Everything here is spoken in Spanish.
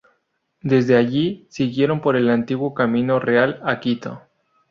Desde allí siguieron por el antiguo camino real a Quito.